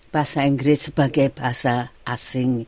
bahasa inggris sebagai bahasa asing